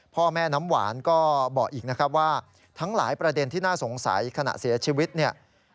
พ่อแม่น้ำหวานก็บอกอีกนะครับว่าทั้งหลายประเด็นที่น่าสงสัยขณะเสียชีวิตเนี่ย